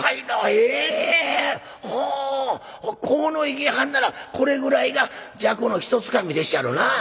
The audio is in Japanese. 鴻池はんならこれぐらいがじゃこの一つかみでっしゃろな。